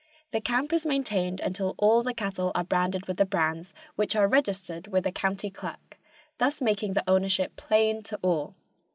The camp is maintained until all the cattle are branded with the brands which are registered with the county clerk, thus making the ownership plain to all.